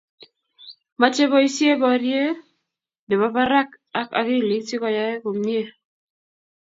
Mochei boisie borie ne bo barak ak akilit si koyaak komie.